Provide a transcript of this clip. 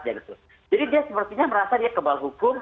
jadi dia sepertinya merasa dia kebal hukum